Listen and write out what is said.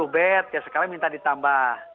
lima puluh bed ya sekarang minta ditambah